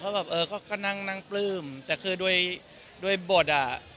เขาก็แบบเออก็นั่งปลื้มแต่คือด้วยบทอ่ะ